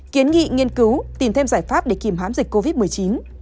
kiến nghị nghiên cứu tìm thêm giải pháp để kìm hám dịch covid một mươi chín